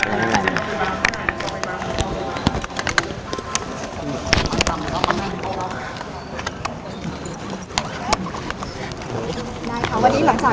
มีดานได้ไปคุยให้กำลังใจกับคุณสวัสดียังไงครับ